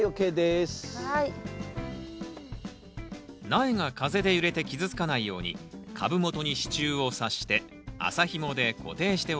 苗が風で揺れて傷つかないように株元に支柱をさして麻ひもで固定しておきましょう。